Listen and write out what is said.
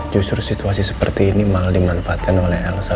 justru situasi seperti ini malah dimanfaatkan oleh elsa